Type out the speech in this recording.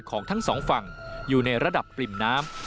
ของทั้งสองฝั่งอยู่ในระดับปริ่มน้ำ